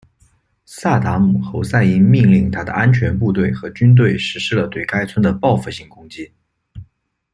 萨达姆侯赛因命令他的安全部队和军队实施了对该村的报复性攻击。